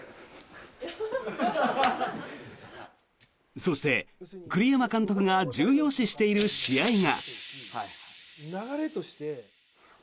そして、栗山監督が重要視している試合が。